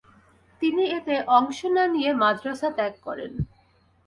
তিনি এতে অংশ না নিয়ে মাদরাসা ত্যাগ করেন।